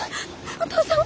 お父さんは。